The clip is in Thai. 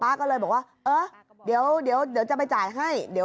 ป้าก็เลยบอกว่าเดี๋ยวจะไปจ่ายให้